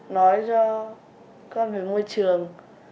nói cho con về môi trường